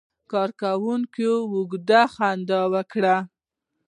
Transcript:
کارکونکي اوږده خندا وکړه.